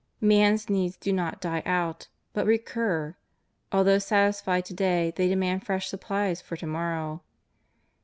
Man's needs do not die out, but recur; although satisfied to day they demand fresh suppMes for to morrow.